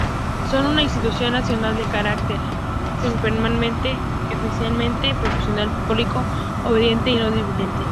Son una Institución Nacional de carácter permanente, esencialmente profesional, apolítico, obediente y no deliberante.